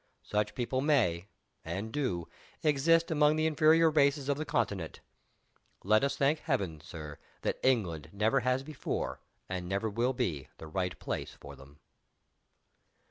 Such people may, and do, exist among the inferior races of the Continent. Let us thank Heaven, Sir, that England never has been, and never will be, the right place for them!